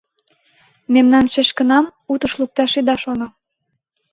Мемнан шешкынам утыш лукташ ида шоно.